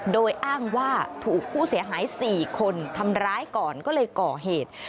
โดยอ้างว่าถูกผู้เสียหาย๔คนทำร้ายก่อนก็เลยก่อเหตุ